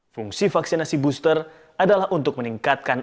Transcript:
fungsi vaksinasi booster adalah untuk meningkatkan